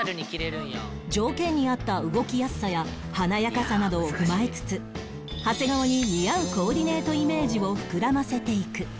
条件に合った動きやすさや華やかさなどを踏まえつつ長谷川に似合うコーディネートイメージを膨らませていく